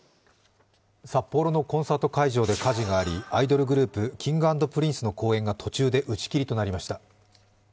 札幌のコンサート会場で火事がありアイドルグループ、Ｋｉｎｇ＆Ｐｒｉｎｃｅの公演が途中で打ち切りとなりました。